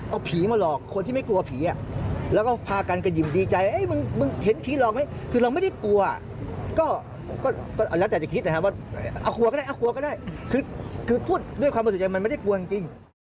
เอากลัวก็ได้เอากลัวก็ได้คือพูดด้วยความประสิทธิ์จริงมันไม่ได้กลัวจริง